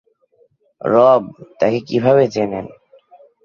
রব, তাকে কীভাবে চেনেন?